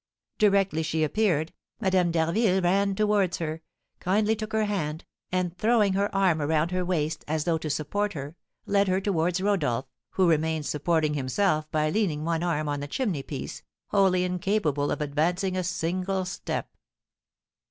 Directly she appeared, Madame d'Harville ran towards her, kindly took her hand, and throwing her arm around her waist, as though to support her, led her towards Rodolph, who remained supporting himself by leaning one arm on the chimneypiece, wholly incapable of advancing a single step.